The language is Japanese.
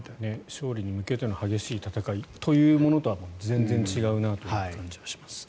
勝利に向けての激しい戦いというものとは全然違うなという感じはします。